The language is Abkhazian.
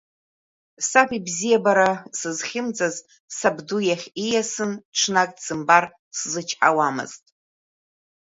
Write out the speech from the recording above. Саб ибзиабара сызхьымӡаз, сабду иахь ииасны ҽнак дсымбар сзычҳауамызт.